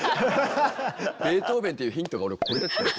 ベートーベンっていうヒントが俺これって。